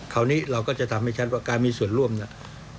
คราวนี้เราก็จะทำให้ชัดว่าการมีส่วนร่วมเนี่ย